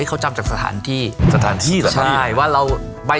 โปรดติดตามต่อไป